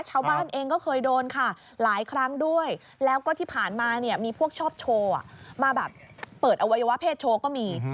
ชาวบ้านเองก็เคยโดนค่ะหลายครั้งด้วยแล้วก็ที่ผ่านมาเนี่ยมีพวกชอบโชว์มาแบบเปิดอวัยวะเพศโชว์ก็มี